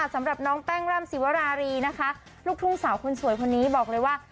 สำหรับน้องแป้งร่ำสิวรารีนะคะลูกทุ่งสาวคนสวยคนนี้บอกเลยว่า